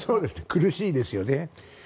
苦しいですよね。